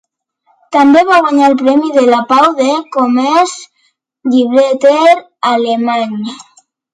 També va guanyar el Premi de la Pau del Comerç Llibreter Alemany.